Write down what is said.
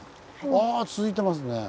あ続いてますね。